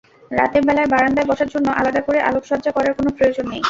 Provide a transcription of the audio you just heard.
রাতের বেলায় বারান্দায় বসার জন্য আলাদা করে আলোকসজ্জা করার কোনো প্রয়োজন নেই।